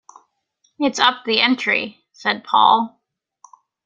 “It’s up the entry,” said Paul.